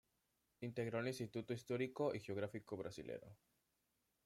Integró el Instituto Histórico y Geográfico Brasilero.